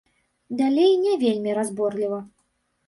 Далей не вельмі разборліва.